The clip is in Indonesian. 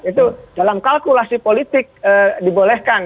itu dalam kalkulasi politik dibolehkan